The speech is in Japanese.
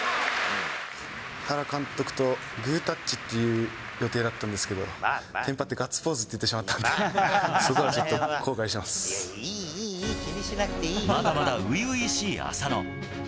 原監督とグータッチって言う予定だったんですけど、テンパって、ガッツポーズって言ってしまったんで、そこはちょっと後悔していまだまだ初々しい浅野。